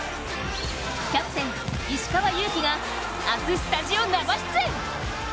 キャプテン・石川祐希が明日スタジオ生出演。